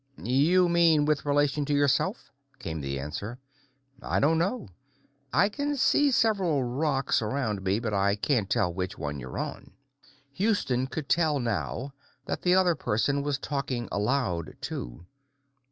"You mean with relation to yourself?" came the answer. "I don't know. I can see several rocks around me, but I can't tell which one you're on." Houston could tell now that the other person was talking aloud, too.